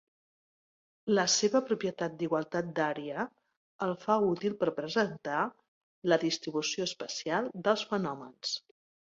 La seva propietat d'igualtat d'àrea el fa útil per presentar la distribució espacial dels fenòmens.